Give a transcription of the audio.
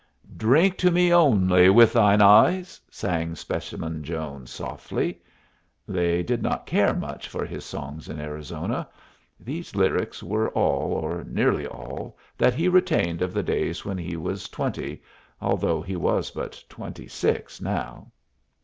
"'Drink to me only with thine eyes,'" sang Specimen Jones, softly. They did not care much for his songs in Arizona. These lyrics were all, or nearly all, that he retained of the days when he was twenty, although he was but twenty six now.